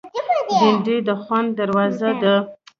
بېنډۍ د خوند دروازه ده